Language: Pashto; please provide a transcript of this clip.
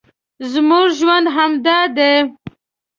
زموږ ژوند همدا دی